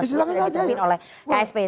silahkan aja ya